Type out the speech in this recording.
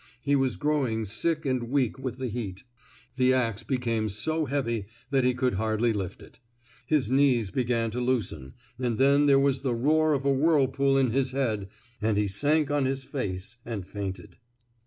He was growing sick and weak with the heat. The ax became so heavy that he could hardly lift it. His knees began to loosen, and then there was the roar of a whirl pool in his head, and he sank on his face and fainted.